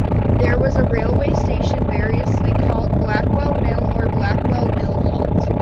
There was a railway station variously called "Blackwell Mill" or "Blackwell Mill Halt".